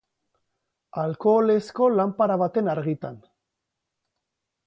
Alkoholezko lanpara baten argitan.